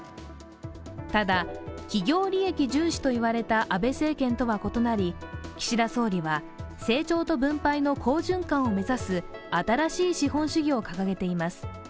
ただ、企業利益重視と言われた安倍政権とは異なり岸田総理は、成長と分配の好循環を目指す新しい資本主義を掲げています。